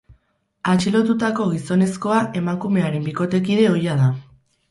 Atxilotutako gizonezkoa emakumearen bikotekide ohia da.